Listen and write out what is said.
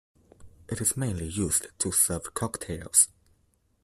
It is mainly used to serve cocktails.